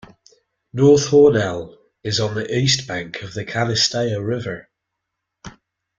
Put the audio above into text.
North Hornell is on the east bank of the Canisteo River.